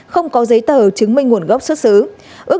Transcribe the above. không có giấy tờ chứng minh nguồn gốc xuất xứ